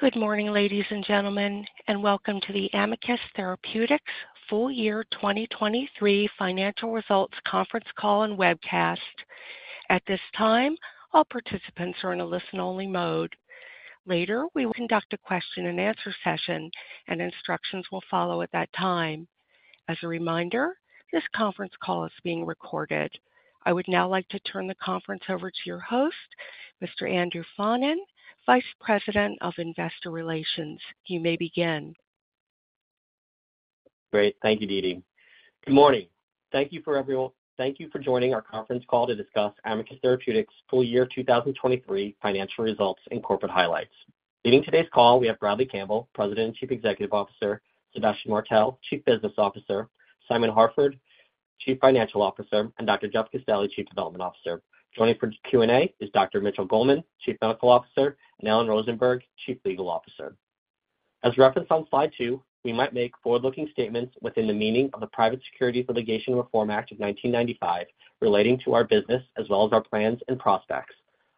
Good morning, ladies and gentlemen, and welcome to the Amicus Therapeutics Full Year 2023 Financial Results Conference Call and Webcast. At this time, all participants are in a listen-only mode. Later, we will conduct a question-and-answer session, and instructions will follow at that time. As a reminder, this conference call is being recorded. I would now like to turn the conference over to your host, Mr. Andrew Faughnan, Vice President of Investor Relations. You may begin. Great. Thank you, Dee Dee. Good morning. Thank you everyone, thank you for joining our conference call to discuss Amicus Therapeutics full year 2023 financial results and corporate highlights. Leading today's call, we have Bradley Campbell, President and Chief Executive Officer; Sébastien Martel, Chief Business Officer; Simon Harford, Chief Financial Officer; and Dr. Jeff Castelli, Chief Development Officer. Joining for Q&A is Dr. Mitchell Goldman, Chief Medical Officer; and Ellen Rosenberg, Chief Legal Officer. As referenced on Slide 2, we might make forward-looking statements within the meaning of the Private Securities Litigation Reform Act of 1995 relating to our business as well as our plans and prospects.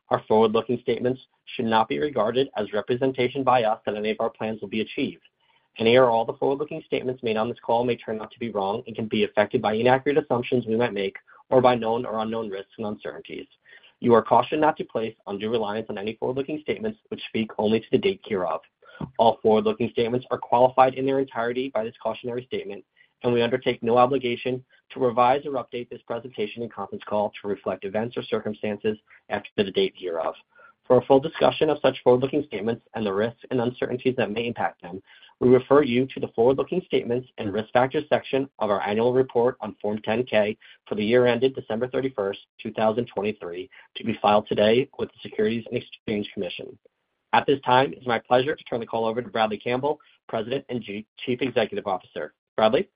Our forward-looking statements should not be regarded as representation by us that any of our plans will be achieved. Any or all the forward-looking statements made on this call may turn out to be wrong and can be affected by inaccurate assumptions we might make or by known or unknown risks and uncertainties. You are cautioned not to place undue reliance on any forward-looking statements which speak only to the date hereof. All forward-looking statements are qualified in their entirety by this cautionary statement, and we undertake no obligation to revise or update this presentation and conference call to reflect events or circumstances after the date hereof. For a full discussion of such forward-looking statements and the risks and uncertainties that may impact them, we refer you to the Forward-Looking Statements and Risk Factors section of our annual report on Form 10-K for the year ended December 31, 2023, to be filed today with the Securities and Exchange Commission. At this time, it's my pleasure to turn the call over to Bradley Campbell, President and Chief Executive Officer. Bradley?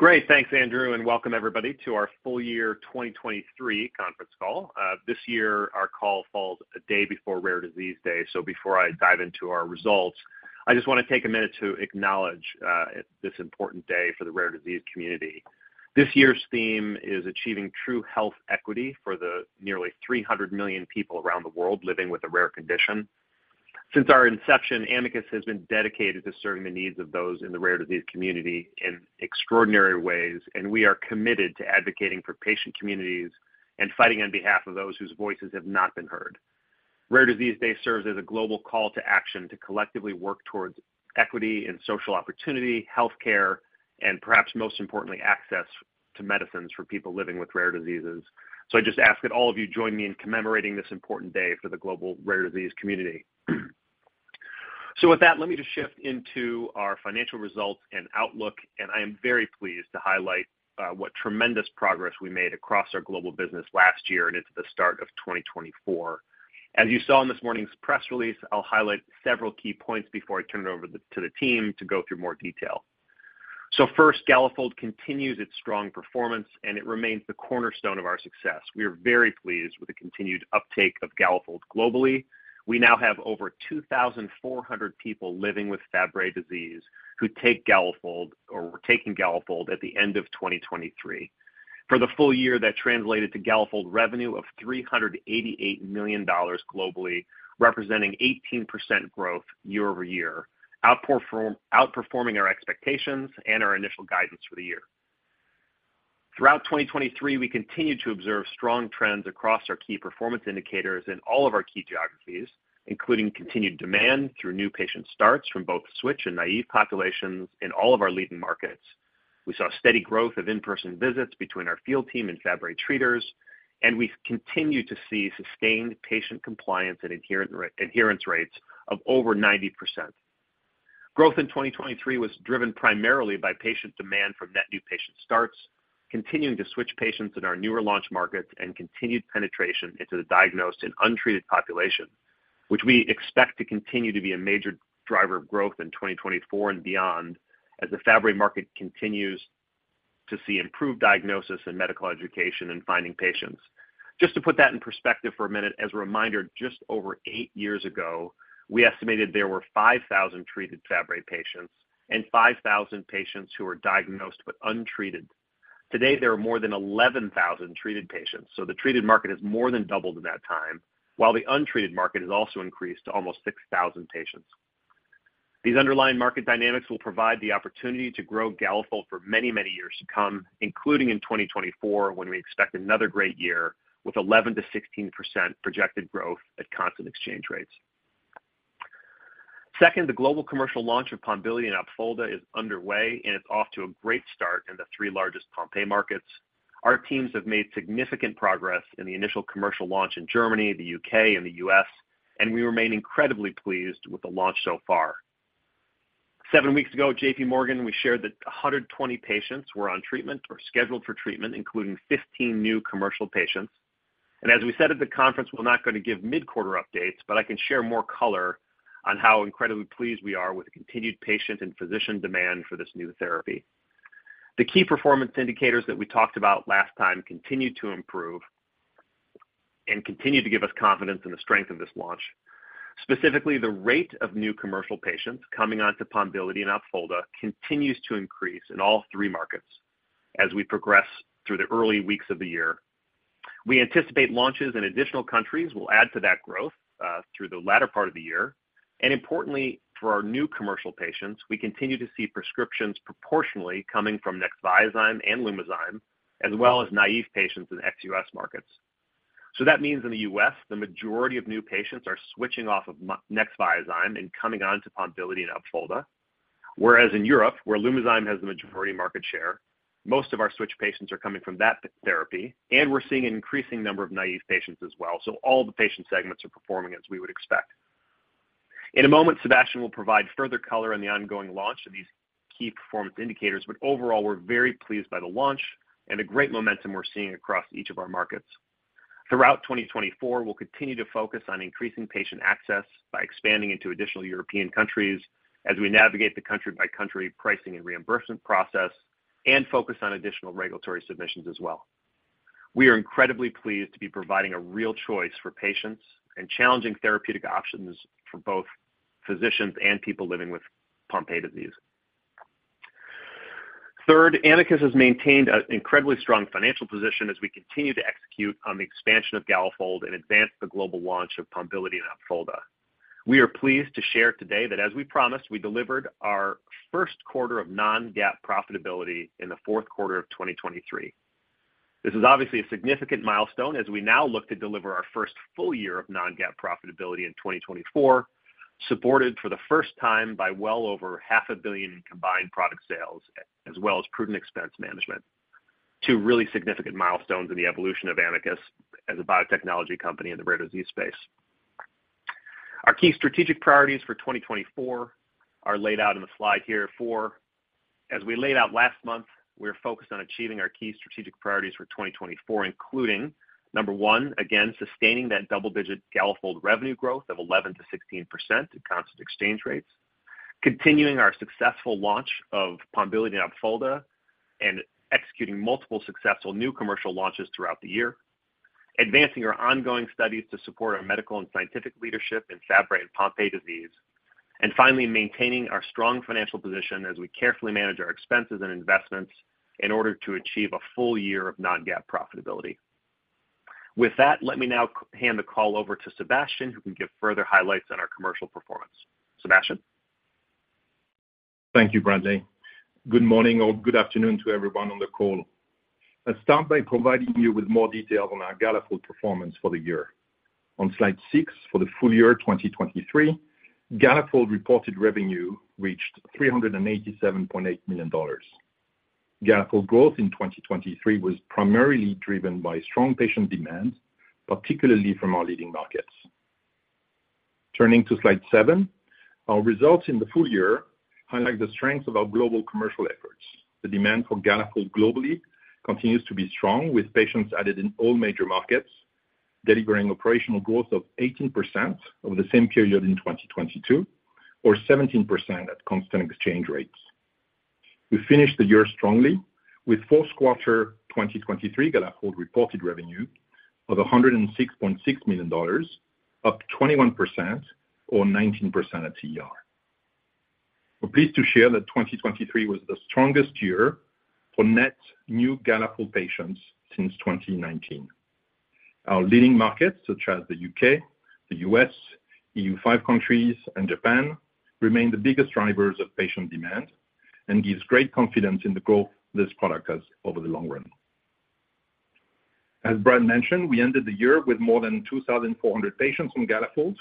Great. Thanks, Andrew, and welcome, everybody, to our full-year 2023 conference call. This year, our call falls a day before Rare Disease Day, so before I dive into our results, I just want to take a minute to acknowledge this important day for the rare disease community. This year's theme is achieving true health equity for the nearly 300 million people around the world living with a rare condition. Since our inception, Amicus has been dedicated to serving the needs of those in the rare disease community in extraordinary ways, and we are committed to advocating for patient communities and fighting on behalf of those whose voices have not been heard. Rare Disease Day serves as a global call to action to collectively work towards equity and social opportunity, healthcare, and perhaps most importantly, access to medicines for people living with rare diseases. So I just ask that all of you join me in commemorating this important day for the global rare disease community. So with that, let me just shift into our financial results and outlook, and I am very pleased to highlight what tremendous progress we made across our global business last year and into the start of 2024. As you saw in this morning's press release, I'll highlight several key points before I turn it over to the team to go through more detail. So first, Galafold continues its strong performance, and it remains the cornerstone of our success. We are very pleased with the continued uptake of Galafold globally. We now have over 2,400 people living with Fabry disease who take Galafold or were taking Galafold at the end of 2023. For the full year, that translated to Galafold revenue of $388 million globally, representing 18% growth year over year, outperforming our expectations and our initial guidance for the year. Throughout 2023, we continued to observe strong trends across our key performance indicators in all of our key geographies, including continued demand through new patient starts from both Switch and Naive populations in all of our leading markets. We saw steady growth of in-person visits between our field team and Fabry treaters, and we continue to see sustained patient compliance and adherence rates of over 90%. Growth in 2023 was driven primarily by patient demand from net new patient starts, continuing to switch patients in our newer launch markets, and continued penetration into the diagnosed and untreated population, which we expect to continue to be a major driver of growth in 2024 and beyond as the Fabry market continues to see improved diagnosis and medical education in finding patients. Just to put that in perspective for a minute, as a reminder, just over eight years ago, we estimated there were 5,000 treated Fabry patients and 5,000 patients who were diagnosed but untreated. Today, there are more than 11,000 treated patients, so the treated market has more than doubled in that time, while the untreated market has also increased to almost 6,000 patients. These underlying market dynamics will provide the opportunity to grow Galafold for many, many years to come, including in 2024 when we expect another great year with 11%-16% projected growth at constant exchange rates. Second, the global commercial launch of Pombiliti and Opfolda is underway, and it's off to a great start in the three largest Pompe markets. Our teams have made significant progress in the initial commercial launch in Germany, the U.K., and the U.S., and we remain incredibly pleased with the launch so far. Seven weeks ago, at J.P. Morgan, we shared that 120 patients were on treatment or scheduled for treatment, including 15 new commercial patients. As we said at the conference, we're not going to give mid-quarter updates, but I can share more color on how incredibly pleased we are with continued patient and physician demand for this new therapy. The key performance indicators that we talked about last time continue to improve and continue to give us confidence in the strength of this launch. Specifically, the rate of new commercial patients coming onto Pombiliti and Opfolda continues to increase in all three markets as we progress through the early weeks of the year. We anticipate launches in additional countries will add to that growth through the latter part of the year. Importantly, for our new commercial patients, we continue to see prescriptions proportionally coming from Nexviazyme and Lumizyme as well as naïve patients in ex-US markets. So that means in the U.S., the majority of new patients are switching off of Nexviazyme and coming onto Pombiliti and Opfolda, whereas in Europe, where Lumizyme has the majority market share, most of our switch patients are coming from that therapy, and we're seeing an increasing number of naïve patients as well. So all the patient segments are performing as we would expect. In a moment, Sébastien will provide further color on the ongoing launch of these key performance indicators, but overall, we're very pleased by the launch and the great momentum we're seeing across each of our markets. Throughout 2024, we'll continue to focus on increasing patient access by expanding into additional European countries as we navigate the country-by-country pricing and reimbursement process and focus on additional regulatory submissions as well. We are incredibly pleased to be providing a real choice for patients and challenging therapeutic options for both physicians and people living with Pompe disease. Third, Amicus has maintained an incredibly strong financial position as we continue to execute on the expansion of Galafold and advance the global launch of Pombiliti and Opfolda. We are pleased to share today that, as we promised, we delivered our first quarter of non-GAAP profitability in the fourth quarter of 2023. This is obviously a significant milestone as we now look to deliver our first full year of non-GAAP profitability in 2024, supported for the first time by well over $500 million combined product sales as well as prudent expense management. Two really significant milestones in the evolution of Amicus as a biotechnology company in the rare disease space. Our key strategic priorities for 2024 are laid out in the slide here, as we laid out last month, we are focused on achieving our key strategic priorities for 2024, including, number one, again, sustaining that double-digit Galafold revenue growth of 11%-16% at constant exchange rates, continuing our successful launch of Pombiliti and Opfolda, and executing multiple successful new commercial launches throughout the year, advancing our ongoing studies to support our medical and scientific leadership in Fabry and Pompe disease, and finally, maintaining our strong financial position as we carefully manage our expenses and investments in order to achieve a full year of non-GAAP profitability. With that, let me now hand the call over to Sébastien, who can give further highlights on our commercial performance. Sébastien? Thank you, Bradley. Good morning or good afternoon to everyone on the call. I'll start by providing you with more details on our Galafold performance for the year. On Slide 6 for the full year 2023, Galafold reported revenue reached $387.8 million. Galafold growth in 2023 was primarily driven by strong patient demand, particularly from our leading markets. Turning to Slide 7, our results in the full year highlight the strength of our global commercial efforts. The demand for Galafold globally continues to be strong, with patients added in all major markets, delivering operational growth of 18% over the same period in 2022 or 17% at constant exchange rates. We finished the year strongly with fourth quarter 2023 Galafold reported revenue of $106.6 million, up 21% or 19% at CER. We're pleased to share that 2023 was the strongest year for net new Galafold patients since 2019. Our leading markets, such as the U.K., the U.S., EU5 countries, and Japan, remain the biggest drivers of patient demand and give great confidence in the growth this product has over the long run. As Brad mentioned, we ended the year with more than 2,400 patients from Galafold,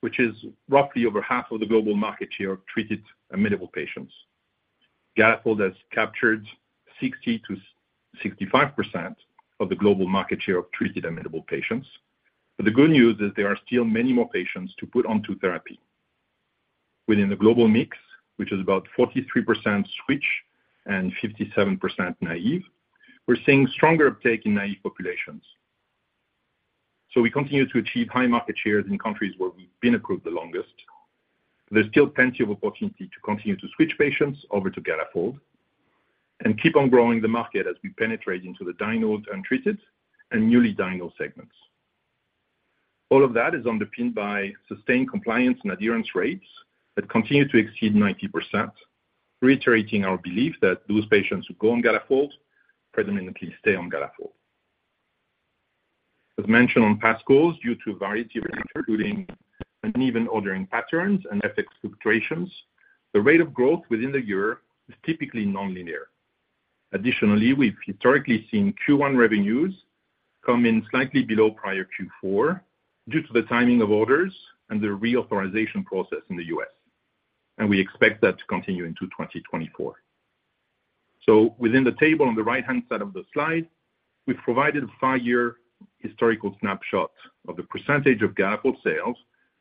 which is roughly over half of the global market share of treated amenable patients. Galafold has captured 60%-65% of the global market share of treated amenable patients. The good news is there are still many more patients to put onto therapy. Within the global mix, which is about 43% Switch and 57% Naive, we're seeing stronger uptake in Naive populations. We continue to achieve high market shares in countries where we've been approved the longest. There's still plenty of opportunity to continue to switch patients over to Galafold and keep on growing the market as we penetrate into the diagnosed, untreated, and newly diagnosed segments. All of that is underpinned by sustained compliance and adherence rates that continue to exceed 90%, reiterating our belief that those patients who go on Galafold predominantly stay on Galafold. As mentioned on past calls, due to a variety of factors, including uneven ordering patterns and FX fluctuations, the rate of growth within the year is typically nonlinear. Additionally, we've historically seen Q1 revenues come in slightly below prior Q4 due to the timing of orders and the reauthorization process in the U.S., and we expect that to continue into 2024. So within the table on the right-hand side of the slide, we've provided a five-year historical snapshot of the percentage of Galafold sales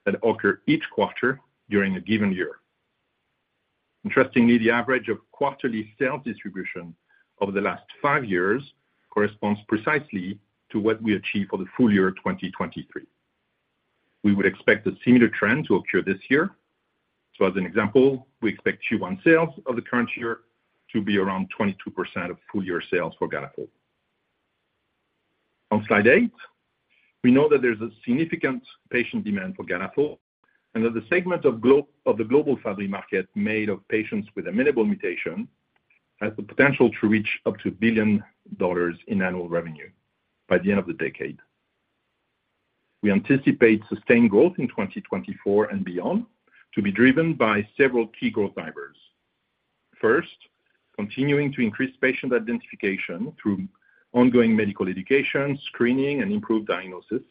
that occur each quarter during a given year. Interestingly, the average of quarterly sales distribution over the last five years corresponds precisely to what we achieve for the full year 2023. We would expect a similar trend to occur this year. So as an example, we expect Q1 sales of the current year to be around 22% of full-year sales for Galafold. On Slide 8, we know that there's a significant patient demand for Galafold and that the segment of the global Fabry market made of patients with amenable mutation has the potential to reach up to $1 billion in annual revenue by the end of the decade. We anticipate sustained growth in 2024 and beyond to be driven by several key growth drivers. First, continuing to increase patient identification through ongoing medical education, screening, and improved diagnosis.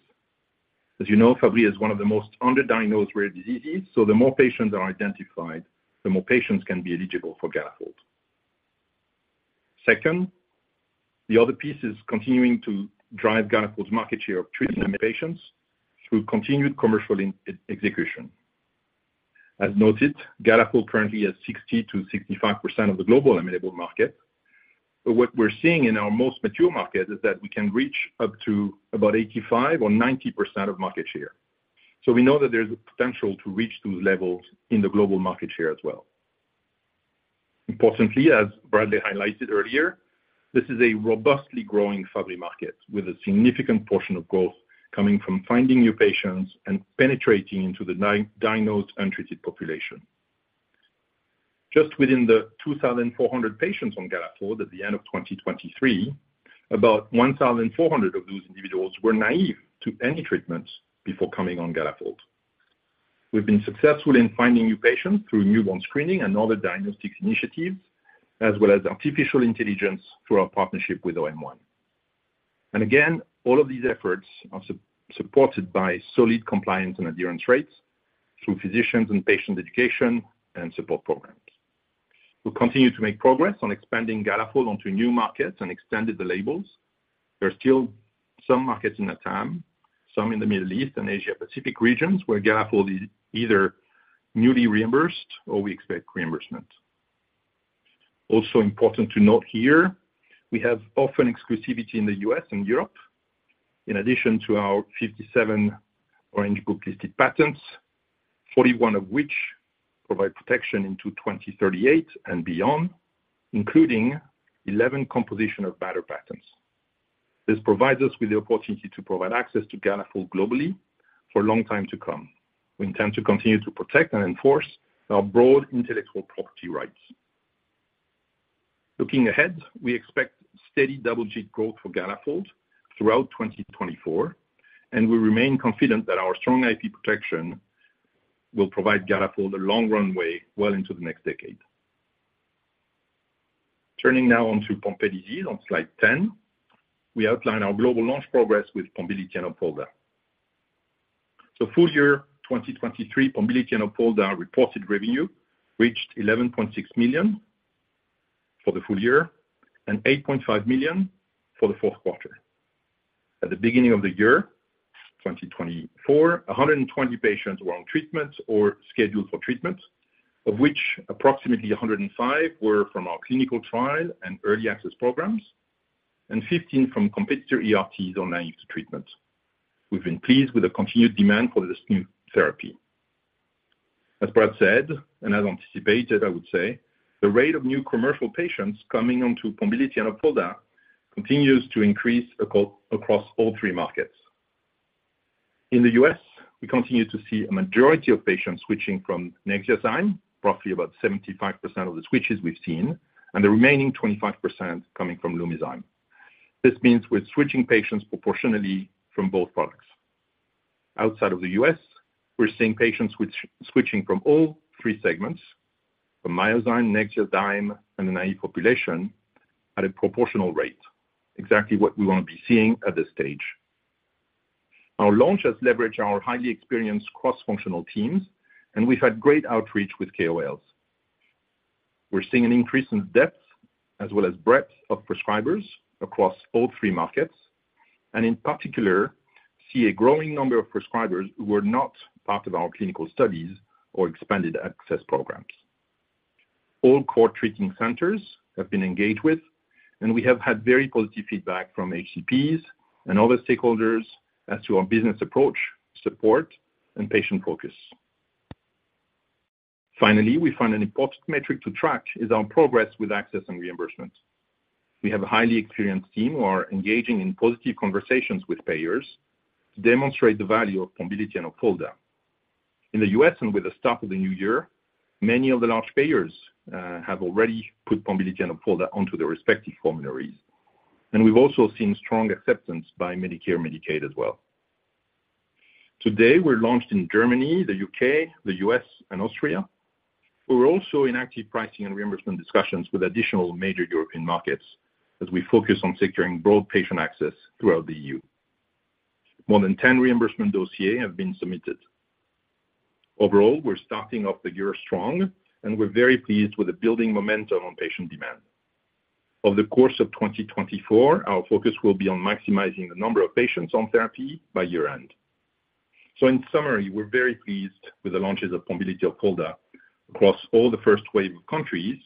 As you know, Fabry is one of the most under-diagnosed rare diseases, so the more patients are identified, the more patients can be eligible for Galafold. Second, the other piece is continuing to drive Galafold's market share of treated patients through continued commercial execution. As noted, Galafold currently has 60%-65% of the global amenable market. But what we're seeing in our most mature market is that we can reach up to about 85% or 90% of market share. So we know that there's a potential to reach those levels in the global market share as well. Importantly, as Bradley highlighted earlier, this is a robustly growing Fabry market with a significant portion of growth coming from finding new patients and penetrating into the undiagnosed, untreated population. Just within the 2,400 patients on Galafold at the end of 2023, about 1,400 of those individuals were naive to any treatments before coming on Galafold. We've been successful in finding new patients through newborn screening and other diagnostics initiatives, as well as artificial intelligence through our partnership with OM1. Again, all of these efforts are supported by solid compliance and adherence rates through physicians and patient education and support programs. We'll continue to make progress on expanding Galafold onto new markets and extended the labels. There are still some markets in LATAM, some in the Middle East and Asia-Pacific regions where Galafold is either newly reimbursed or we expect reimbursement. Also important to note here, we have orphan exclusivity in the U.S. and Europe, in addition to our 57 Orange Book-listed patents, 41 of which provide protection into 2038 and beyond, including 11 composition of matter patents. This provides us with the opportunity to provide access to Galafold globally for a long time to come. We intend to continue to protect and enforce our broad intellectual property rights. Looking ahead, we expect steady double-digit growth for Galafold throughout 2024, and we remain confident that our strong IP protection will provide Galafold a long runway well into the next decade. Turning now onto Pompe disease on Slide 10, we outline our global launch progress with Pombiliti and Opfolda. So full year 2023, Pombiliti and Opfolda reported revenue reached $11.6 million for the full year and $8.5 million for the fourth quarter. At the beginning of the year 2024, 120 patients were on treatment or scheduled for treatment, of which approximately 105 were from our clinical trial and early access programs and 15 from competitor ERTs or naive to treatment. We've been pleased with the continued demand for this new therapy. As Brad said and as anticipated, I would say, the rate of new commercial patients coming onto Pombiliti and Opfolda continues to increase across all three markets. In the U.S., we continue to see a majority of patients switching from Nexviazyme, roughly about 75% of the switches we've seen, and the remaining 25% coming from Lumizyme. This means we're switching patients proportionally from both products. Outside of the U.S., we're seeing patients switching from all three segments, from Myozyme, Nexviazyme, and the naive population, at a proportional rate, exactly what we want to be seeing at this stage. Our launch has leveraged our highly experienced cross-functional teams, and we've had great outreach with KOLs. We're seeing an increase in depth as well as breadth of prescribers across all three markets and, in particular, see a growing number of prescribers who were not part of our clinical studies or expanded access programs. All core treating centers have been engaged with, and we have had very positive feedback from HCPs and other stakeholders as to our business approach, support, and patient focus. Finally, we find an important metric to track is our progress with access and reimbursement. We have a highly experienced team who are engaging in positive conversations with payers to demonstrate the value of Pombiliti and Opfolda. In the U.S. and with the start of the new year, many of the large payers have already put Pombiliti and Opfolda onto their respective formularies, and we've also seen strong acceptance by Medicare and Medicaid as well. Today, we're launched in Germany, the U.K., the U.S., and Austria. We're also in active pricing and reimbursement discussions with additional major European markets as we focus on securing broad patient access throughout the EU. More than 10 reimbursement dossiers have been submitted. Overall, we're starting off the year strong, and we're very pleased with the building momentum on patient demand. Over the course of 2024, our focus will be on maximizing the number of patients on therapy by year-end. So in summary, we're very pleased with the launches of Pombiliti and Opfolda across all the first wave of countries.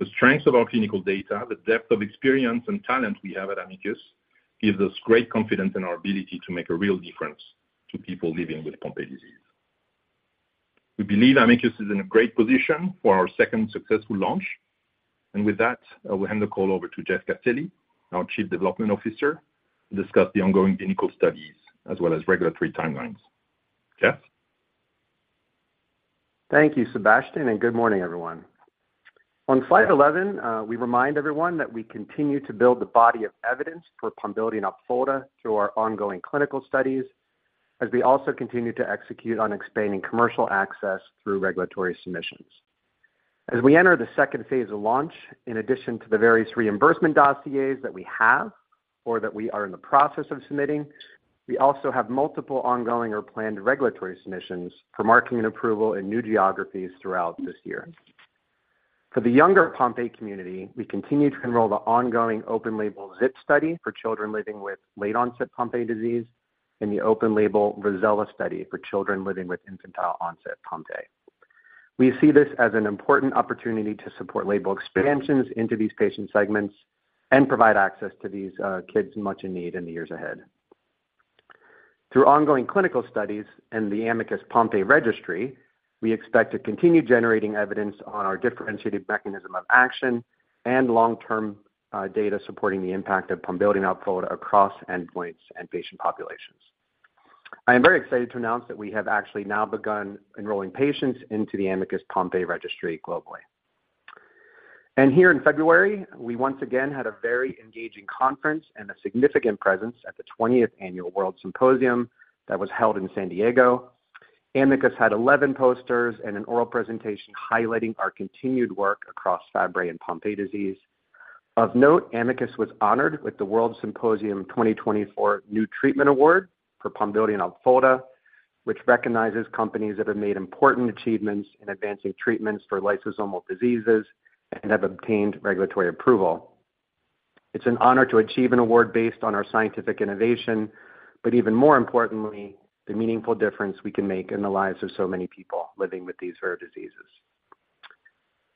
The strength of our clinical data, the depth of experience and talent we have at Amicus, gives us great confidence in our ability to make a real difference to people living with Pompe disease. We believe Amicus is in a great position for our second successful launch. With that, I will hand the call over to Jeff Castelli, our Chief Development Officer, to discuss the ongoing clinical studies as well as regulatory timelines. Jeff? Thank you, Sébastien, and good morning, everyone. On Slide 11, we remind everyone that we continue to build the body of evidence for Pombiliti and Opfolda through our ongoing clinical studies as we also continue to execute on expanding commercial access through regulatory submissions. As we enter the second phase of launch, in addition to the various reimbursement dossiers that we have or that we are in the process of submitting, we also have multiple ongoing or planned regulatory submissions for marketing and approval in new geographies throughout this year. For the younger Pompe community, we continue to enroll the ongoing open-label ZIP study for children living with late-onset Pompe disease and the open-label Rossella study for children living with infantile-onset Pompe. We see this as an important opportunity to support label expansions into these patient segments and provide access to these kids much in need in the years ahead. Through ongoing clinical studies and the Amicus Pompe Registry, we expect to continue generating evidence on our differentiated mechanism of action and long-term data supporting the impact of Pombiliti and Opfolda across endpoints and patient populations. I am very excited to announce that we have actually now begun enrolling patients into the Amicus Pompe Registry globally. Here in February, we once again had a very engaging conference and a significant presence at the 20th Annual WORLD Symposium that was held in San Diego. Amicus had 11 posters and an oral presentation highlighting our continued work across Fabry and Pompe disease. Of note, Amicus was honored with the WORLD Symposium 2024 New Treatment Award for Pombiliti and Opfolda, which recognizes companies that have made important achievements in advancing treatments for lysosomal diseases and have obtained regulatory approval. It's an honor to achieve an award based on our scientific innovation, but even more importantly, the meaningful difference we can make in the lives of so many people living with these rare diseases.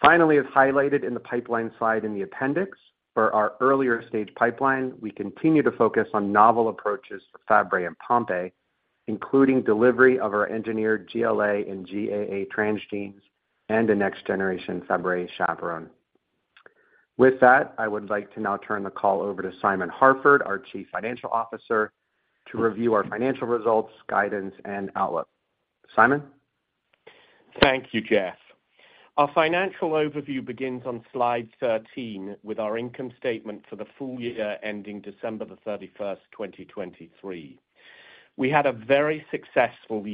Finally, as highlighted in the pipeline slide in the appendix for our earlier stage pipeline, we continue to focus on novel approaches for Fabry and Pompe, including delivery of our engineered GLA and GAA transgenes and a next-generation Fabry chaperone. With that, I would like to now turn the call over to Simon Harford, our Chief Financial Officer, to review our financial results, guidance, and outlook. Simon? Thank you, Jeff. Our financial overview begins on Slide 13 with our income statement for the full year ending December 31st, 2023. We had a very successful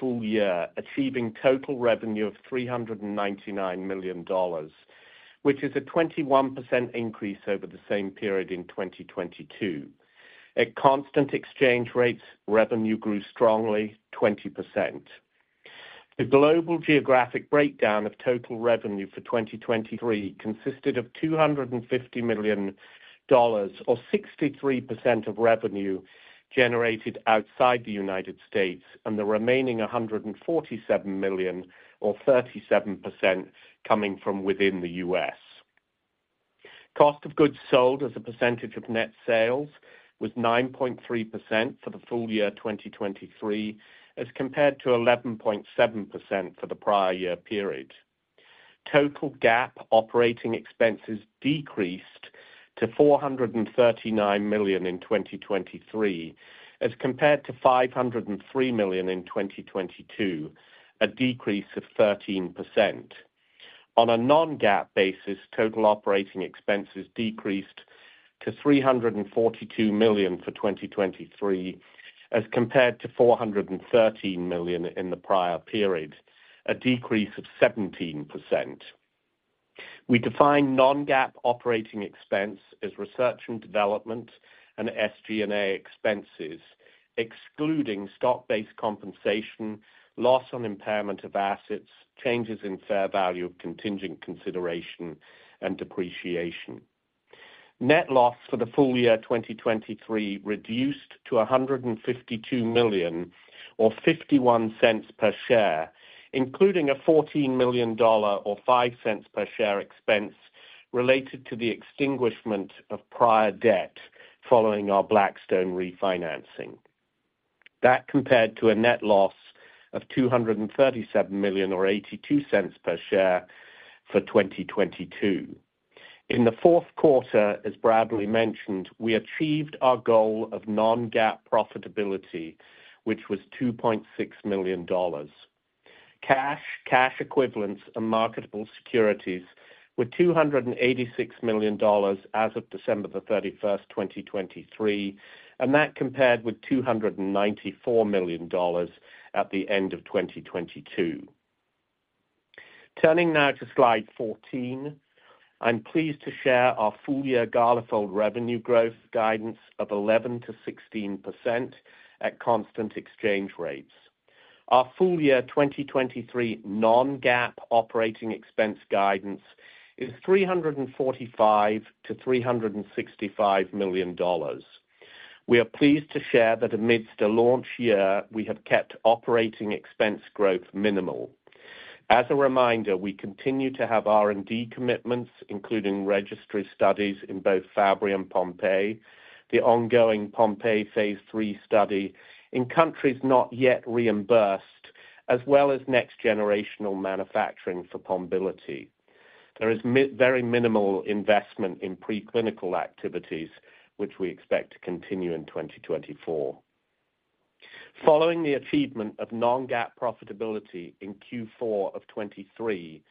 full year, achieving total revenue of $399 million, which is a 21% increase over the same period in 2022. At constant exchange rates, revenue grew strongly, 20%. The global geographic breakdown of total revenue for 2023 consisted of $250 million, or 63% of revenue generated outside the United States, and the remaining $147 million, or 37%, coming from within the U.S. Cost of goods sold as a percentage of net sales was 9.3% for the full year 2023 as compared to 11.7% for the prior year period. Total GAAP operating expenses decreased to $439 million in 2023 as compared to $503 million in 2022, a decrease of 13%. On a non-GAAP basis, total operating expenses decreased to $342 million for 2023 as compared to $413 million in the prior period, a decrease of 17%. We define non-GAAP operating expense as research and development and SG&A expenses, excluding stock-based compensation, loss on impairment of assets, changes in fair value of contingent consideration, and depreciation. Net loss for the full year 2023 reduced to $152 million, or $0.51 per share, including a $14 million, or $0.05 per share, expense related to the extinguishment of prior debt following our Blackstone refinancing. That compared to a net loss of $237 million, or $0.82 per share, for 2022. In the fourth quarter, as Bradley mentioned, we achieved our goal of non-GAAP profitability, which was $2.6 million. Cash, cash equivalents, and marketable securities were $286 million as of December 31st, 2023, and that compared with $294 million at the end of 2022. Turning now to Slide 14, I'm pleased to share our full year Galafold revenue growth guidance of 11%-16% at constant exchange rates. Our full year 2023 non-GAAP operating expense guidance is $345-$365 million. We are pleased to share that amidst a launch year, we have kept operating expense growth minimal. As a reminder, we continue to have R&D commitments, including registry studies in both Fabry and Pompe, the ongoing Pompe phase III study in countries not yet reimbursed, as well as next-generation manufacturing for Pombiliti. There is very minimal investment in preclinical activities, which we expect to continue in 2024. Following the achievement of non-GAAP profitability in Q4 of 2023,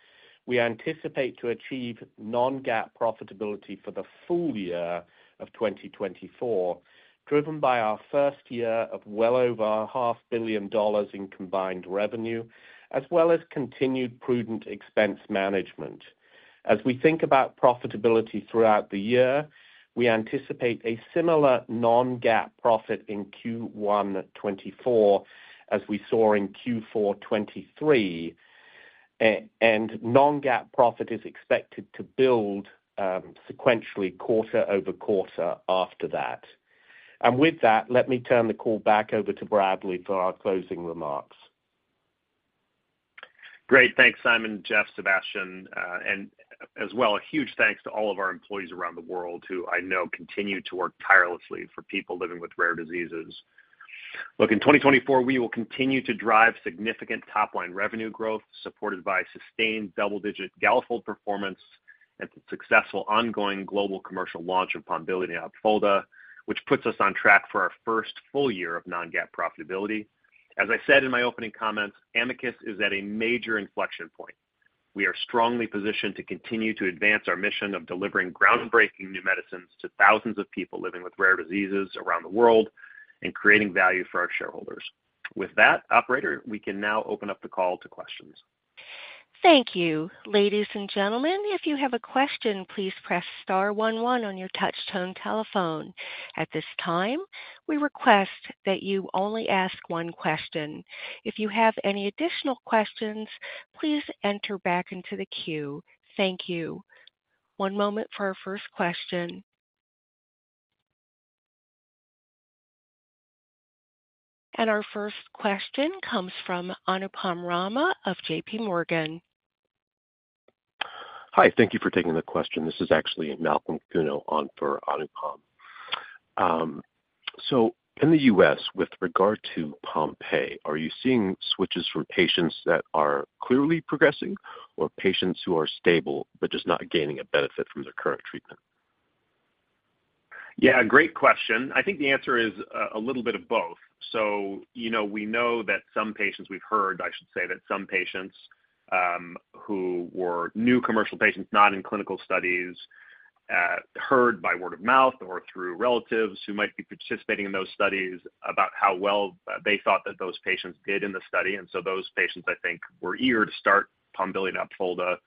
we anticipate to achieve non-GAAP profitability for the full year of 2024, driven by our first year of well over $500 million in combined revenue, as well as continued prudent expense management. As we think about profitability throughout the year, we anticipate a similar non-GAAP profit in Q1 2024 as we saw in Q4 2023, and non-GAAP profit is expected to build sequentially quarter-over-quarter after that. With that, let me turn the call back over to Bradley for our closing remarks. Great. Thanks, Simon and Jeff, Sébastien. And as well, a huge thanks to all of our employees around the world who I know continue to work tirelessly for people living with rare diseases. Look, in 2024, we will continue to drive significant top-line revenue growth supported by sustained double-digit Galafold performance and the successful ongoing global commercial launch of Pombiliti and Opfolda, which puts us on track for our first full year of non-GAAP profitability. As I said in my opening comments, Amicus is at a major inflection point. We are strongly positioned to continue to advance our mission of delivering groundbreaking new medicines to thousands of people living with rare diseases around the world and creating value for our shareholders. With that, Operator, we can now open up the call to questions. Thank you. Ladies and gentlemen, if you have a question, please press star 11 on your touch-tone telephone. At this time, we request that you only ask one question. If you have any additional questions, please enter back into the queue. Thank you. One moment for our first question. Our first question comes from Anupam Rama of J.P. Morgan. Hi. Thank you for taking the question. This is actually Malcolm Kuno on for Anupam. So in the U.S., with regard to Pompe, are you seeing switches from patients that are clearly progressing or patients who are stable but just not gaining a benefit from their current treatment? Yeah, great question. I think the answer is a little bit of both. So we know that some patients we've heard I should say that some patients who were new commercial patients, not in clinical studies, heard by word of mouth or through relatives who might be participating in those studies about how well they thought that those patients did in the study. And so those patients, I think, were eager to start Pombiliti and Opfolda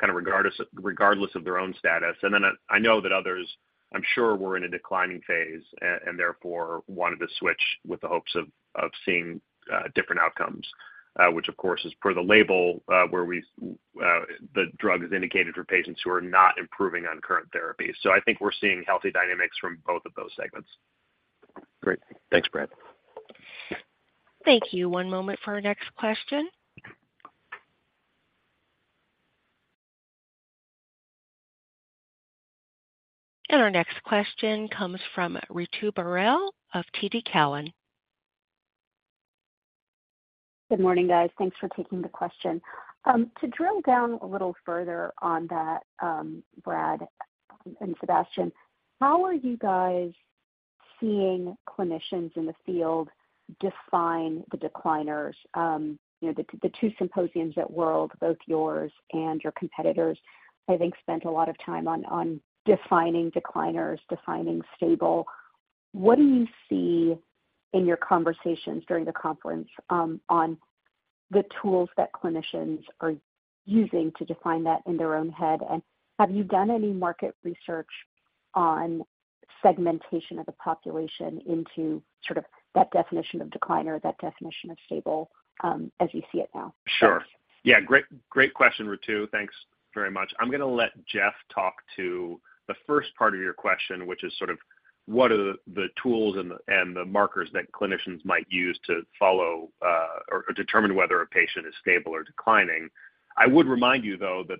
kind of regardless of their own status. And then I know that others, I'm sure, were in a declining phase and therefore wanted to switch with the hopes of seeing different outcomes, which, of course, is per the label where the drug is indicated for patients who are not improving on current therapy. So I think we're seeing healthy dynamics from both of those segments. Great. Thanks, Brad. Thank you. One moment for our next question. Our next question comes from Ritu Baral of TD Cowen. Good morning, guys. Thanks for taking the question. To drill down a little further on that, Brad and Sébastien, how are you guys seeing clinicians in the field define the decliners? The two symposiums at World, both yours and your competitors, I think, spent a lot of time on defining decliners, defining stable. What do you see in your conversations during the conference on the tools that clinicians are using to define that in their own head? And have you done any market research on segmentation of the population into sort of that definition of decliner, that definition of stable as you see it now? Sure. Yeah, great question, Ritu. Thanks very much. I'm going to let Jeff talk to the first part of your question, which is sort of what are the tools and the markers that clinicians might use to follow or determine whether a patient is stable or declining. I would remind you, though, that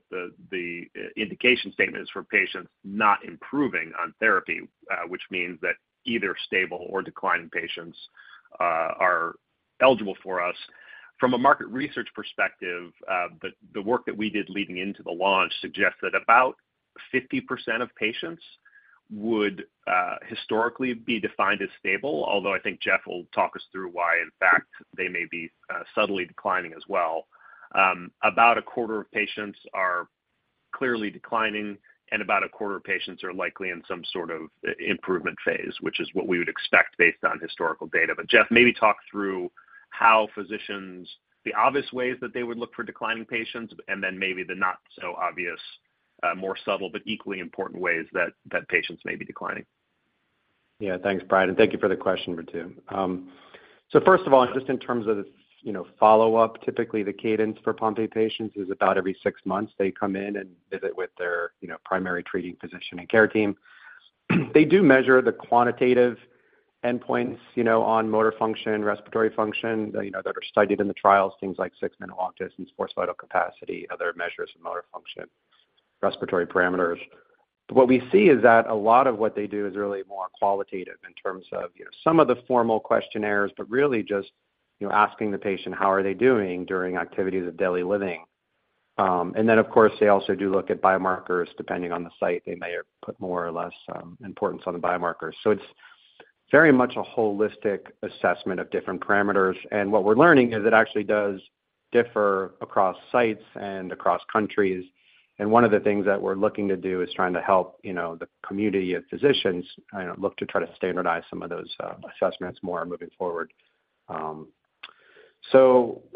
the indication statement is for patients not improving on therapy, which means that either stable or declining patients are eligible for us. From a market research perspective, the work that we did leading into the launch suggests that about 50% of patients would historically be defined as stable, although I think Jeff will talk us through why, in fact, they may be subtly declining as well. About a quarter of patients are clearly declining, and about a quarter of patients are likely in some sort of improvement phase, which is what we would expect based on historical data. But Jeff, maybe talk through how physicians the obvious ways that they would look for declining patients and then maybe the not-so-obvious, more subtle but equally important ways that patients may be declining. Yeah, thanks, Brad. And thank you for the question, Ritu. So first of all, just in terms of follow-up, typically, the cadence for Pompe patients is about every six months. They come in and visit with their primary treating physician and care team. They do measure the quantitative endpoints on motor function, respiratory function that are studied in the trials, things like six-minute walk distance, forced vital capacity, other measures of motor function, respiratory parameters. But what we see is that a lot of what they do is really more qualitative in terms of some of the formal questionnaires, but really just asking the patient, "How are they doing during activities of daily living?" And then, of course, they also do look at biomarkers. Depending on the site, they may put more or less importance on the biomarkers. So it's very much a holistic assessment of different parameters. What we're learning is it actually does differ across sites and across countries. One of the things that we're looking to do is trying to help the community of physicians look to try to standardize some of those assessments more moving forward. In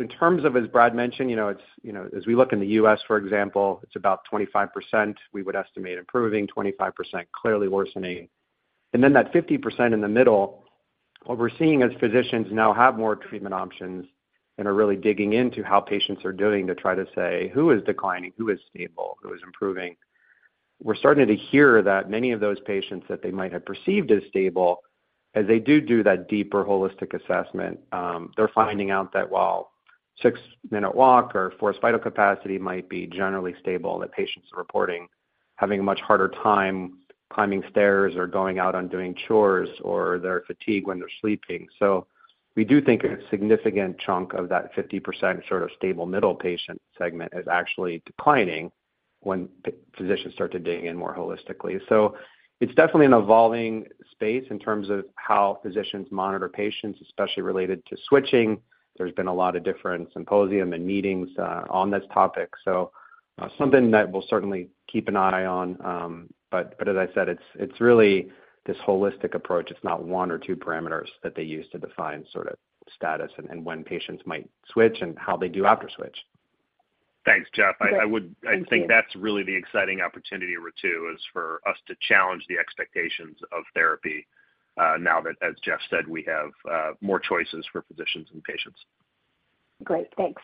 terms of, as Brad mentioned, as we look in the U.S., for example, it's about 25% we would estimate improving, 25% clearly worsening. Then that 50% in the middle, what we're seeing is physicians now have more treatment options and are really digging into how patients are doing to try to say, "Who is declining? Who is stable? Who is improving?" We're starting to hear that many of those patients that they might have perceived as stable, as they do that deeper holistic assessment, they're finding out that while six-minute walk or forced vital capacity might be generally stable, that patients are reporting having a much harder time climbing stairs or going out on doing chores or their fatigue when they're sleeping. So we do think a significant chunk of that 50% sort of stable middle patient segment is actually declining when physicians start to dig in more holistically. So it's definitely an evolving space in terms of how physicians monitor patients, especially related to switching. There's been a lot of different symposium and meetings on this topic, so something that we'll certainly keep an eye on. But as I said, it's really this holistic approach. It's not one or two parameters that they use to define sort of status and when patients might switch and how they do after switch. Thanks, Jeff. I think that's really the exciting opportunity, Ritu, is for us to challenge the expectations of therapy now that, as Jeff said, we have more choices for physicians and patients. Great. Thanks.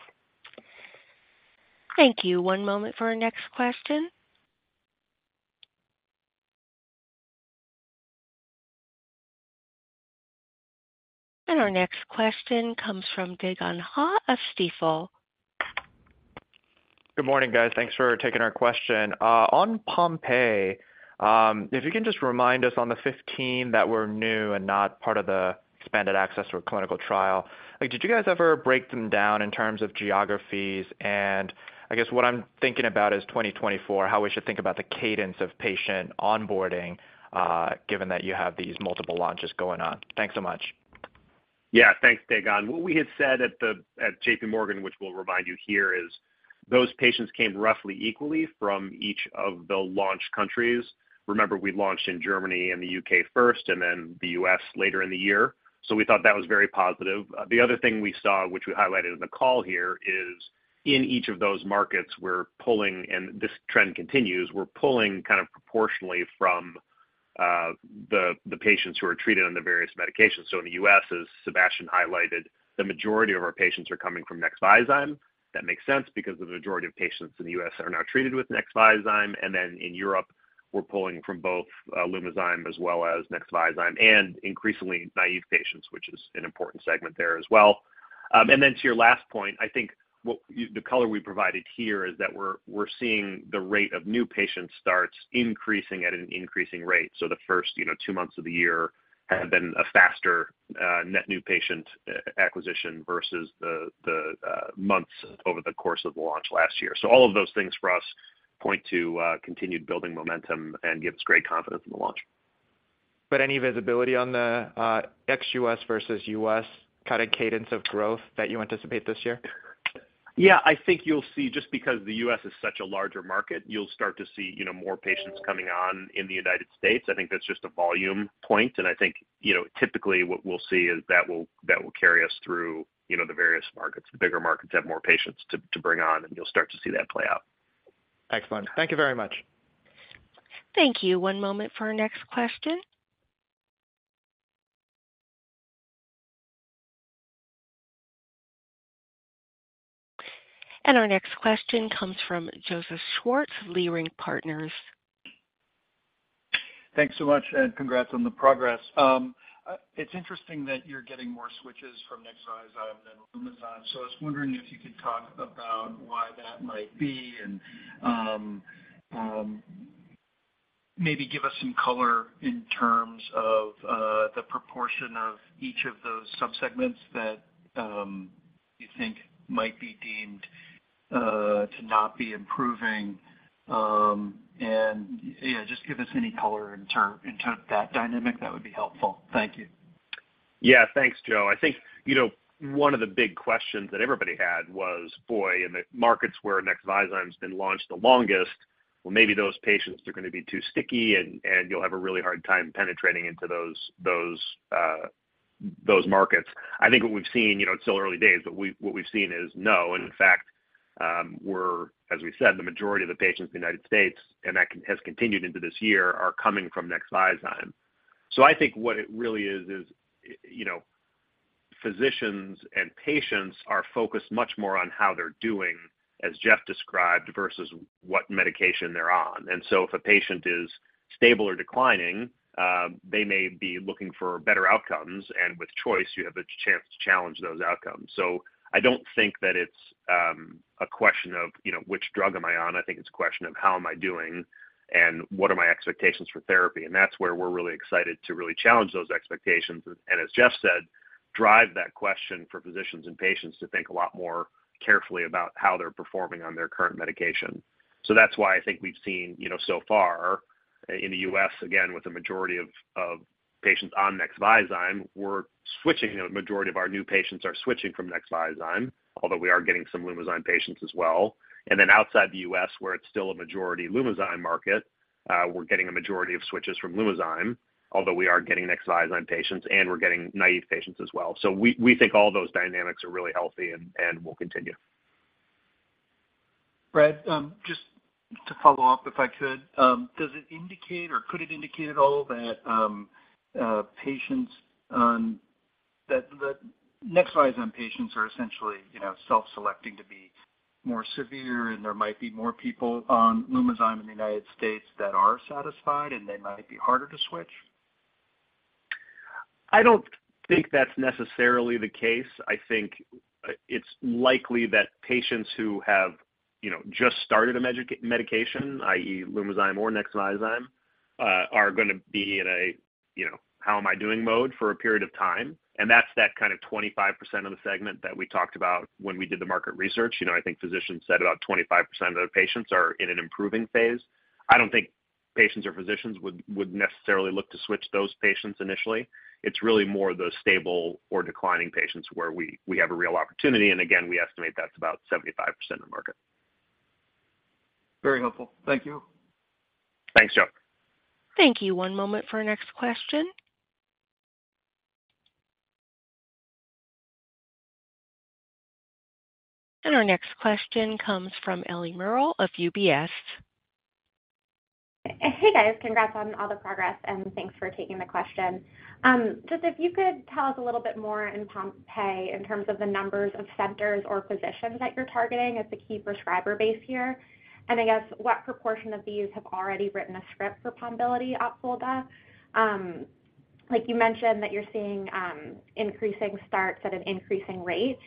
Thank you. One moment for our next question. Our next question comes from Dae Gon Ha of Stifel. Good morning, guys. Thanks for taking our question. On Pompe, if you can just remind us on the 15 that were new and not part of the expanded access to a clinical trial, did you guys ever break them down in terms of geographies? And I guess what I'm thinking about is 2024, how we should think about the cadence of patient onboarding, given that you have these multiple launches going on. Thanks so much. Yeah, thanks, Dagon. What we had said at J.P. Morgan, which we'll remind you here, is those patients came roughly equally from each of the launch countries. Remember, we launched in Germany and the U.K. first and then the U.S. later in the year. So we thought that was very positive. The other thing we saw, which we highlighted in the call here, is in each of those markets, we're pulling and this trend continues. We're pulling kind of proportionally from the patients who are treated on the various medications. So in the US, as Sébastien highlighted, the majority of our patients are coming from Nexviazyme. That makes sense because the majority of patients in the US are now treated with Nexviazyme. And then in Europe, we're pulling from both Lumizyme as well as Nexviazyme and increasingly naive patients, which is an important segment there as well. And then to your last point, I think the color we provided here is that we're seeing the rate of new patient starts increasing at an increasing rate. So the first two months of the year have been a faster net new patient acquisition versus the months over the course of the launch last year. So all of those things for us point to continued building momentum and give us great confidence in the launch. Any visibility on the ex-U.S. versus U.S. kind of cadence of growth that you anticipate this year? Yeah, I think you'll see just because the U.S. is such a larger market, you'll start to see more patients coming on in the United States. I think that's just a volume point. I think typically what we'll see is that will carry us through the various markets. The bigger markets have more patients to bring on, and you'll start to see that play out. Excellent. Thank you very much. Thank you. One moment for our next question. Our next question comes from Joseph Schwartz of Leerink Partners. Thanks so much and congrats on the progress. It's interesting that you're getting more switches from Nexviazyme than Lumizyme. So I was wondering if you could talk about why that might be and maybe give us some color in terms of the proportion of each of those subsegments that you think might be deemed to not be improving. And yeah, just give us any color into that dynamic. That would be helpful. Thank you. Yeah, thanks, Joe. I think one of the big questions that everybody had was, "Boy, in the markets where Nexviazyme has been launched the longest, well, maybe those patients, they're going to be too sticky, and you'll have a really hard time penetrating into those markets." I think what we've seen it's still early days, but what we've seen is no. And in fact, as we said, the majority of the patients in the United States, and that has continued into this year, are coming from Nexviazyme. So I think what it really is, is physicians and patients are focused much more on how they're doing, as Jeff described, versus what medication they're on. And so if a patient is stable or declining, they may be looking for better outcomes. And with choice, you have a chance to challenge those outcomes. So I don't think that it's a question of, "Which drug am I on?" I think it's a question of, "How am I doing? And what are my expectations for therapy?" And that's where we're really excited to really challenge those expectations and, as Jeff said, drive that question for physicians and patients to think a lot more carefully about how they're performing on their current medication. So that's why I think we've seen so far in the U.S., again, with a majority of patients on Nexviazyme, a majority of our new patients are switching from Nexviazyme, although we are getting some Lumizyme patients as well. And then outside the U.S., where it's still a majority Lumizyme market, we're getting a majority of switches from Lumizyme, although we are getting Nexviazyme patients, and we're getting naive patients as well. We think all those dynamics are really healthy and will continue. Brad, just to follow up if I could, does it indicate or could it indicate at all that patients on that Nexviazyme patients are essentially self-selecting to be more severe, and there might be more people on Lumizyme in the United States that are satisfied, and they might be harder to switch? I don't think that's necessarily the case. I think it's likely that patients who have just started a medication, i.e., Lumizyme or Nexviazyme, are going to be in a, "How am I doing?" mode for a period of time. And that's that kind of 25% of the segment that we talked about when we did the market research. I think physicians said about 25% of their patients are in an improving phase. I don't think patients or physicians would necessarily look to switch those patients initially. It's really more the stable or declining patients where we have a real opportunity. And again, we estimate that's about 75% of the market. Very helpful. Thank you. Thanks, Joe. Thank you. One moment for our next question. Our next question comes from Ellie Merle of UBS. Hey, guys. Congrats on all the progress, and thanks for taking the question. Just if you could tell us a little bit more in Pompe in terms of the numbers of centers or physicians that you're targeting as the key prescriber base here. And I guess what proportion of these have already written a script for Pombiliti Opfolda? You mentioned that you're seeing increasing starts at an increasing rate.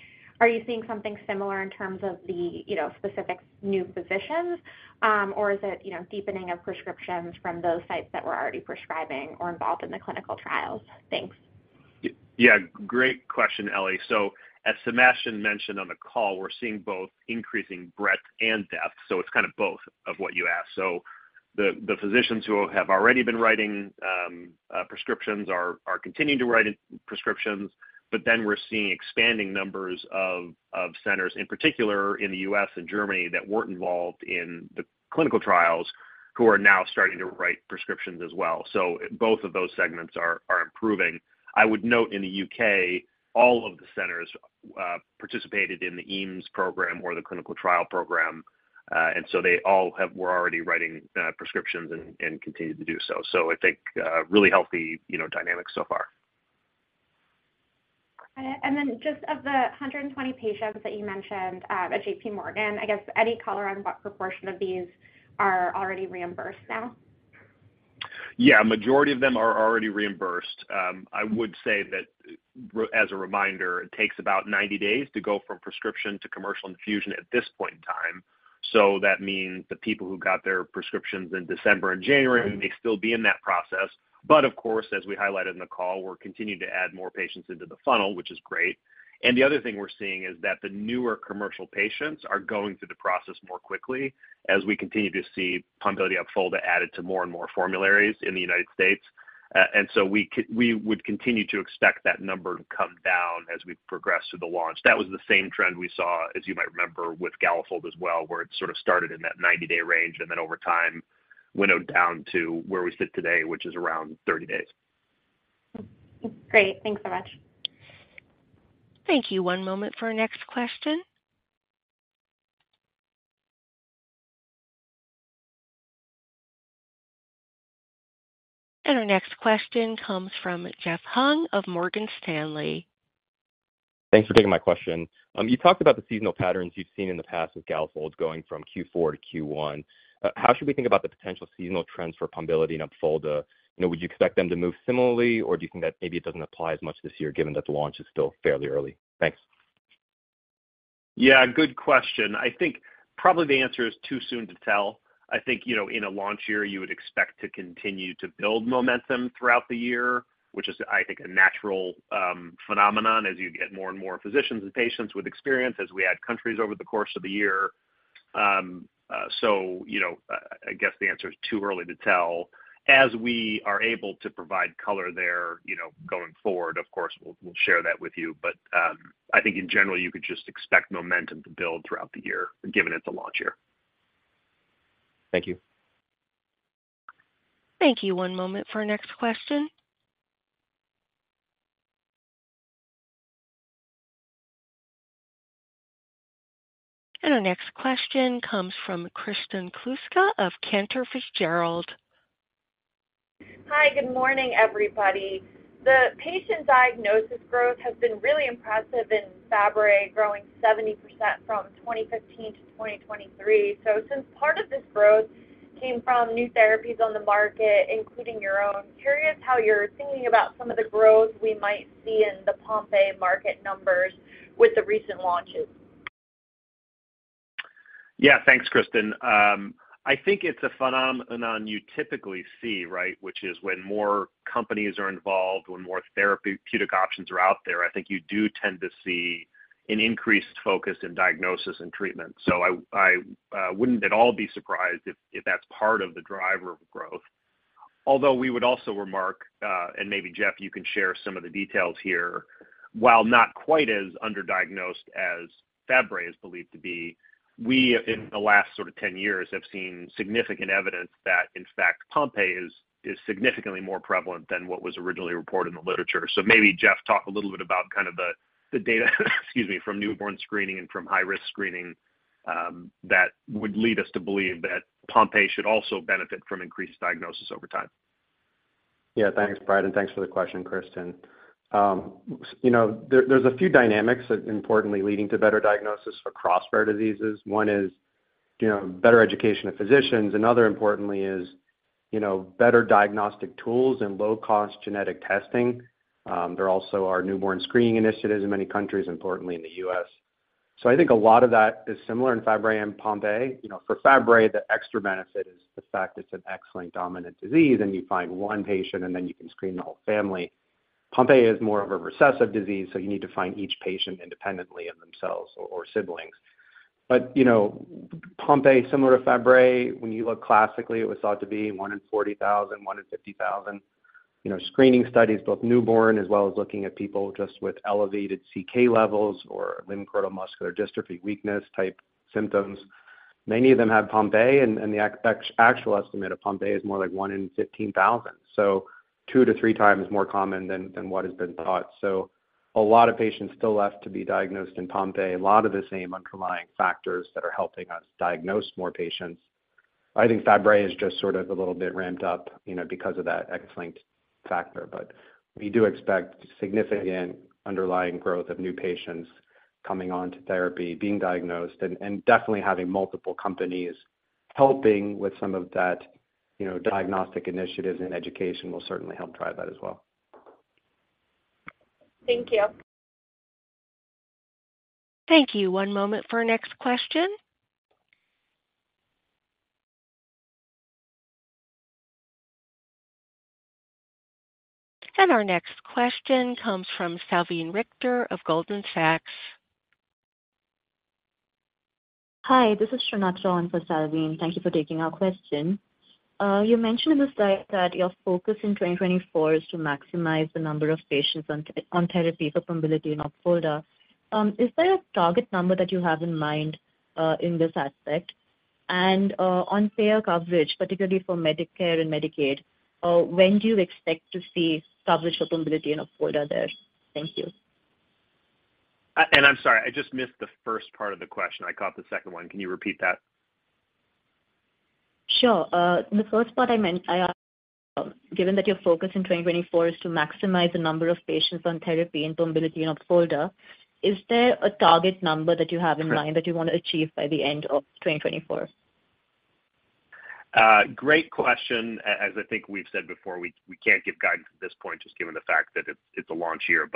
Are you seeing something similar in terms of the specific new physicians, or is it deepening of prescriptions from those sites that were already prescribing or involved in the clinical trials? Thanks. Yeah, great question, Ellie. So as Sébastien mentioned on the call, we're seeing both increasing breadth and depth. So it's kind of both of what you asked. So the physicians who have already been writing prescriptions are continuing to write prescriptions. But then we're seeing expanding numbers of centers, in particular in the U.S. and Germany, that weren't involved in the clinical trials who are now starting to write prescriptions as well. So both of those segments are improving. I would note in the U.K., all of the centers participated in the EAMS program or the clinical trial program. And so they all were already writing prescriptions and continued to do so. So I think really healthy dynamics so far. Just of the 120 patients that you mentioned at JP Morgan, I guess any color on what proportion of these are already reimbursed now? Yeah, a majority of them are already reimbursed. I would say that, as a reminder, it takes about 90 days to go from prescription to commercial infusion at this point in time. So that means the people who got their prescriptions in December and January, they still be in that process. But of course, as we highlighted in the call, we're continuing to add more patients into the funnel, which is great. And the other thing we're seeing is that the newer commercial patients are going through the process more quickly as we continue to see Pombiliti and Opfolda added to more and more formularies in the United States. And so we would continue to expect that number to come down as we progress through the launch. That was the same trend we saw, as you might remember, with Galafold as well, where it sort of started in that 90-day range and then over time windowed down to where we sit today, which is around 30 days. Great. Thanks so much. Thank you. One moment for our next question. Our next question comes from Jeff Hung of Morgan Stanley. Thanks for taking my question. You talked about the seasonal patterns you've seen in the past with Galafold going from Q4 to Q1. How should we think about the potential seasonal trends for Pombiliti and Opfolda? Would you expect them to move similarly, or do you think that maybe it doesn't apply as much this year given that the launch is still fairly early? Thanks. Yeah, good question. I think probably the answer is too soon to tell. I think in a launch year, you would expect to continue to build momentum throughout the year, which is, I think, a natural phenomenon as you get more and more physicians and patients with experience as we add countries over the course of the year. So I guess the answer is too early to tell. As we are able to provide color there going forward, of course, we'll share that with you. I think in general, you could just expect momentum to build throughout the year given it's a launch year. Thank you. Thank you. One moment for our next question. Our next question comes from Kristen Kluska of Cantor Fitzgerald. Hi, good morning, everybody. The patient diagnosis growth has been really impressive in Fabry, growing 70% from 2015 to 2023. So since part of this growth came from new therapies on the market, including your own, curious how you're thinking about some of the growth we might see in the Pompe market numbers with the recent launches? Yeah, thanks, Kristen. I think it's a phenomenon you typically see, right, which is when more companies are involved, when more therapeutic options are out there. I think you do tend to see an increased focus in diagnosis and treatment. So I wouldn't at all be surprised if that's part of the driver of growth. Although we would also remark and maybe, Jeff, you can share some of the details here. While not quite as underdiagnosed as Fabry is believed to be, we in the last sort of 10 years have seen significant evidence that, in fact, Pompe is significantly more prevalent than what was originally reported in the literature. So maybe, Jeff, talk a little bit about kind of the data, excuse me, from newborn screening and from high-risk screening that would lead us to believe that Pompe should also benefit from increased diagnosis over time. Yeah, thanks, Brad, and thanks for the question, Kristen. There's a few dynamics, importantly, leading to better diagnosis for rare diseases. One is better education of physicians. Another, importantly, is better diagnostic tools and low-cost genetic testing. There also are newborn screening initiatives in many countries, importantly in the U.S. So I think a lot of that is similar in Fabry and Pompe. For Fabry, the extra benefit is the fact it's an X-linked dominant disease, and you find one patient, and then you can screen the whole family. Pompe is more of a recessive disease, so you need to find each patient independently of themselves or siblings. But Pompe, similar to Fabry, when you look classically, it was thought to be one in 40,000, one in 50,000. Screening studies, both newborn as well as looking at people just with elevated CK levels or limb-girdle muscular dystrophy weakness-type symptoms, many of them have Pompe. And the actual estimate of Pompe is more like 1 in 15,000. So 2-3 times more common than what has been thought. So a lot of patients still left to be diagnosed in Pompe, a lot of the same underlying factors that are helping us diagnose more patients. I think Fabry is just sort of a little bit ramped up because of that X-linked factor. But we do expect significant underlying growth of new patients coming on to therapy, being diagnosed, and definitely having multiple companies helping with some of that diagnostic initiatives and education will certainly help drive that as well. Thank you. Thank you. One moment for our next question. Our next question comes from Salveen Richter of Goldman Sachs. Hi, this is Sreenath and for Salveen, thank you for taking our question. You mentioned in the slide that your focus in 2024 is to maximize the number of patients on therapy for Pombiliti and Opfolda. Is there a target number that you have in mind in this aspect? And on payer coverage, particularly for Medicare and Medicaid, when do you expect to see coverage for Pombiliti and Opfolda there? Thank you. I'm sorry, I just missed the first part of the question. I caught the second one. Can you repeat that? Sure. The first part I meant, given that your focus in 2024 is to maximize the number of patients on therapy in Pombiliti and Opfolda, is there a target number that you have in mind that you want to achieve by the end of 2024? Great question. As I think we've said before, we can't give guidance at this point just given the fact that it's a launch year.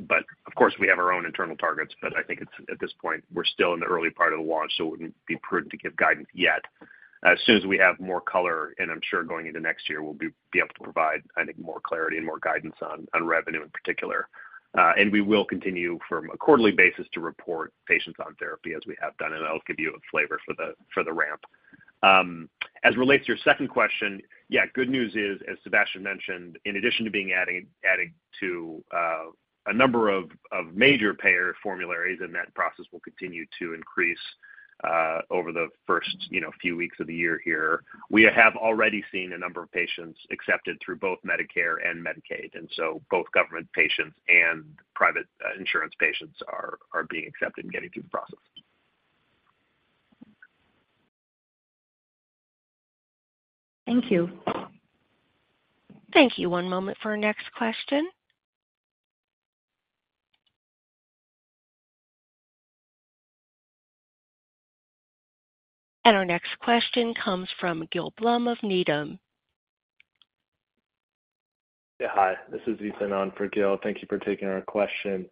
But of course, we have our own internal targets. But I think at this point, we're still in the early part of the launch, so it wouldn't be prudent to give guidance yet. As soon as we have more color - and I'm sure going into next year - we'll be able to provide, I think, more clarity and more guidance on revenue in particular. And we will continue from a quarterly basis to report patients on therapy as we have done. And that'll give you a flavor for the ramp. As it relates to your second question, yeah, good news is, as Sébastien mentioned, in addition to being adding to a number of major payer formularies, and that process will continue to increase over the first few weeks of the year here, we have already seen a number of patients accepted through both Medicare and Medicaid. And so both government patients and private insurance patients are being accepted and getting through the process. Thank you. Thank you. One moment for our next question. Our next question comes from Gil Blum of Needham. Yeah, hi. This is Ethan on for Gil. Thank you for taking our question.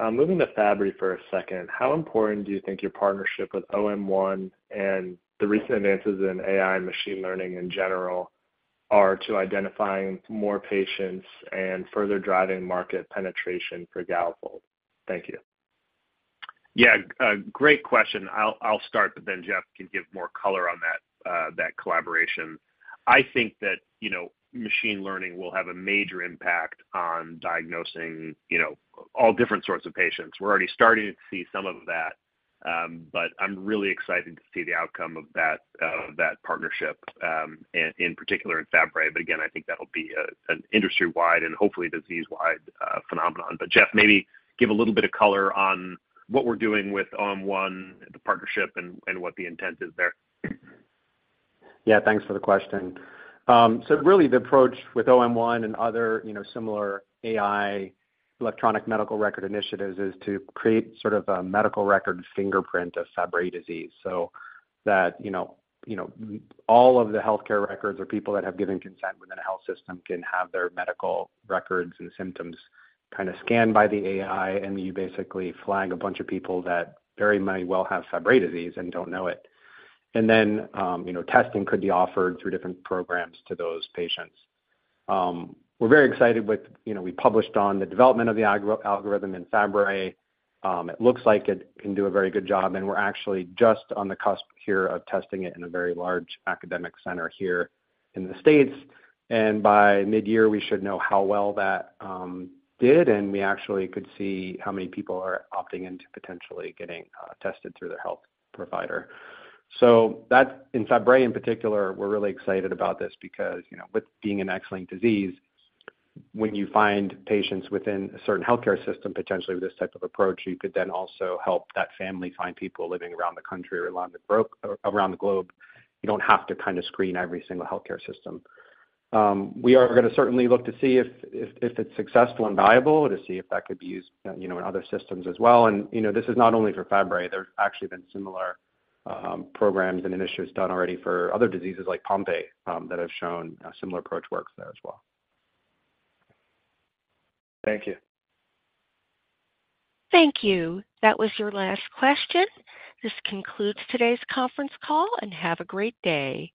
Moving to Fabry for a second, how important do you think your partnership with OM1 and the recent advances in AI and machine learning in general are to identifying more patients and further driving market penetration for Galafold? Thank you. Yeah, great question. I'll start, but then Jeff can give more color on that collaboration. I think that machine learning will have a major impact on diagnosing all different sorts of patients. We're already starting to see some of that. But I'm really excited to see the outcome of that partnership, in particular in Fabry. But again, I think that'll be an industry-wide and hopefully disease-wide phenomenon. But Jeff, maybe give a little bit of color on what we're doing with OM1, the partnership, and what the intent is there. Yeah, thanks for the question. So really, the approach with OM1 and other similar AI electronic medical record initiatives is to create sort of a medical record fingerprint of Fabry disease. So that all of the healthcare records or people that have given consent within a health system can have their medical records and symptoms kind of scanned by the AI. And you basically flag a bunch of people that very may well have Fabry disease and don't know it. And then testing could be offered through different programs to those patients. We're very excited with we published on the development of the algorithm in Fabry. It looks like it can do a very good job. And we're actually just on the cusp here of testing it in a very large academic center here in the States. And by mid-year, we should know how well that did. We actually could see how many people are opting into potentially getting tested through their health provider. In Fabry, in particular, we're really excited about this because with being an X-linked disease, when you find patients within a certain healthcare system, potentially with this type of approach, you could then also help that family find people living around the country or around the globe. You don't have to kind of screen every single healthcare system. We are going to certainly look to see if it's successful and viable to see if that could be used in other systems as well. This is not only for Fabry. There's actually been similar programs and initiatives done already for other diseases like Pompe that have shown a similar approach works there as well. Thank you. Thank you. That was your last question. This concludes today's conference call, and have a great day.